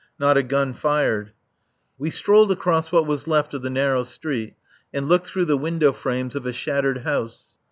Not a gun fired. We strolled across what was left of the narrow street and looked through the window frames of a shattered house.